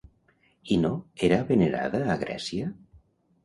Ino era venerada a Grècia?